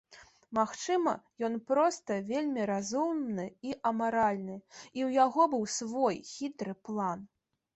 Магчыма, ён проста вельмі разумны і амаральны, і ў яго быў свой хітры план.